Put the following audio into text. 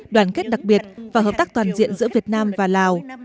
đoàn kết đặc biệt và hợp tác toàn diện giữa việt nam và lào